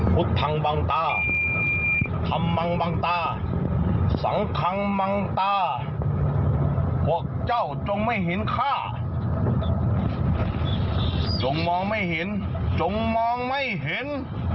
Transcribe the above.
พุทธทางบังตาธรรมมังบางตาสังคังมังตาพวกเจ้าจงไม่เห็นค่าจงมองไม่เห็นจงมองไม่เห็น